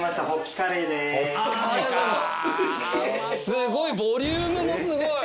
すごいボリュームもすごい！